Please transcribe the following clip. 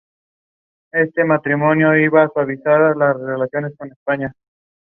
One was shot and two others died in traffic accidents.